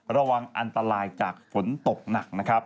ระวังอันตรายจากฝนตกหนักนะครับ